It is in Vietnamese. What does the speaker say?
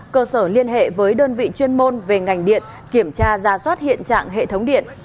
cơ sở liên hệ với đơn vị chuyên môn về ngành điện kiểm tra ra soát hiện trạng hệ thống điện